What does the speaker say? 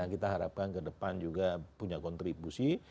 kita harapkan kedepan juga punya kontribusi